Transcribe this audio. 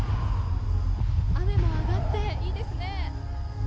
雨も上がって、いいですね。